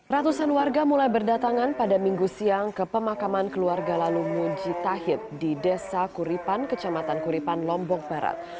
ratusan warga mulai berdatangan pada minggu siang ke pemakaman keluarga lalu muji tahib di desa kuripan kecamatan kuripan lombok barat